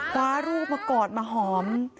พระรูปมากอดมาหอม